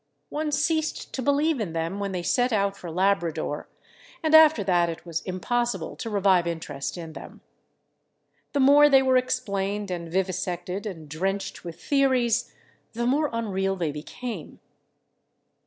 One ceased to believe in them when they set out for Labrador, and after that it was impossible to revive interest in them. The more they were explained and vivisected and drenched with theories, the more unreal they became.